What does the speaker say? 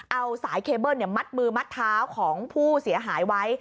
เอาสายเคเบิ้ลมัดมือมัดเท้าของผู้เสียหายไว้